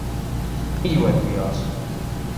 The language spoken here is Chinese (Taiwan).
意外的被邀請